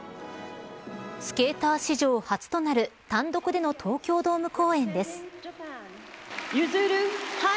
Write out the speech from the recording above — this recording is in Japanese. スケーター史上初となる単独での東京ドーム公演です。